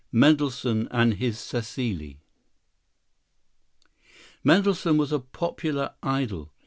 Mendelssohn and his Cécile Mendelssohn was a popular idol.